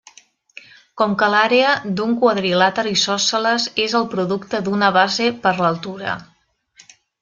Com que l'àrea d'un quadrilàter isòsceles és el producte d'una base per l'altura.